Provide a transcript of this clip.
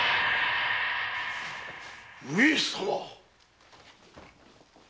上様！